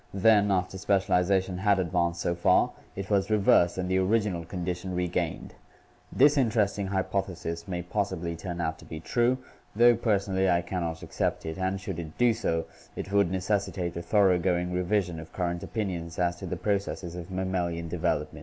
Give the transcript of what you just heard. Then, after specialization had advanced so far, it was reversed and the original condition regained. This interesting hypothesis may possibly turn out to be true, though personally I can not accept it, and, should it do so, it would necessitate a thor oughgoing revision of current opinions as to the processes of mam malian development."